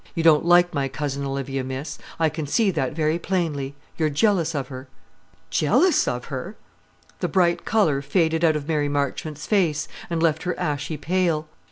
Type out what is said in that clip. You don't like my cousin Olivia, miss; I can see that very plainly. You're jealous of her." "Jealous of her!" The bright colour faded out of Mary Marchmont's face, and left her ashy pale.